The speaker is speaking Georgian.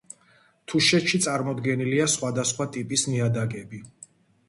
თუშეთში წარმოდგენილია სხვადასხვა ტიპის ნიადაგები.